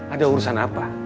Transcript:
ada urusan apa